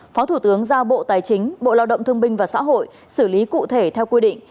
phó thủ tướng giao bộ tài chính bộ lao động thương binh và xã hội xử lý cụ thể theo quy định